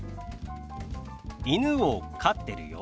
「犬を飼ってるよ」。